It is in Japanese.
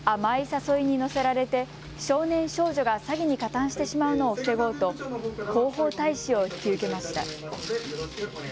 甘い誘いに乗せられて少年、少女が詐欺に加担してしまうのを防ごうと広報大使を引き受けました。